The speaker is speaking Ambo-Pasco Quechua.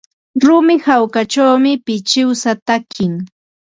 Rumi hawanćhawmi pichiwsa taki.